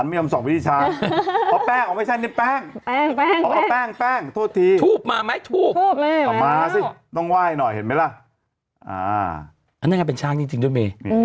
ไปวะถูกันนะเห็นไหม